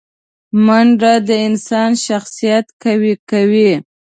منډه د انسان شخصیت قوي کوي